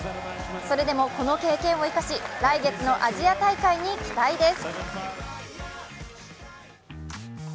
それでもこの経験を生かし来月のアジア大会に期待です。